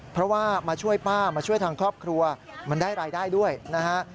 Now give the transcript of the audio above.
เพราะว่ามาช่วยป้ามาช่วยทางครอบครัวมันได้รายได้ด้วยนะฮะ